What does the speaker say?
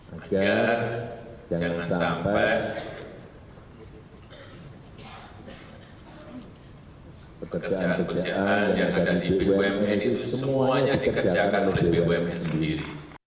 agar jangan sampai pekerjaan pekerjaan yang ada di bumn itu semuanya dikerjakan oleh bumn sendiri